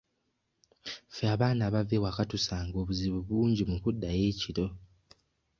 Ffe abaana abava ewaka tusanga obuzibu bungi mu kuddayo ekiro.